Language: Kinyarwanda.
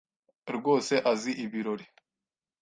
rwose azi ibirori.